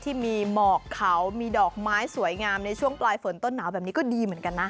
ที่มีหมอกเขามีดอกไม้สวยงามในช่วงปลายฝนต้นหนาวแบบนี้ก็ดีเหมือนกันนะ